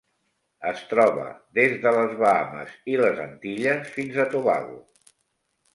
Es troba des de les Bahames i les Antilles fins a Tobago.